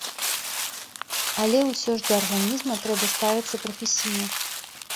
Але ўсё ж да арганізма трэба ставіцца прафесійна.